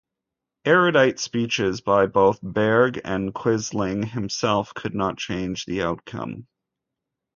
Erudite speeches by both Bergh and Quisling himself could not change the outcome.